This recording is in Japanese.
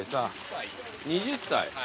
２０歳。